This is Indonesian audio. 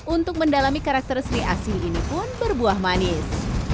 untuk mendalami karakter seni asih ini pun berbuah manis